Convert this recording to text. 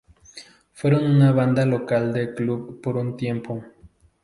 Fueron una banda local de club por un tiempo.